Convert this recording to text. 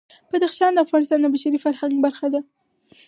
بدخشان د افغانستان د بشري فرهنګ برخه ده.